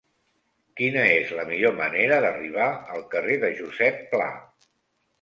Quina és la millor manera d'arribar al carrer de Josep Pla?